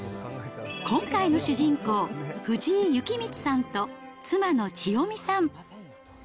今回の主人公、藤井幸光さんと妻の千代美さん。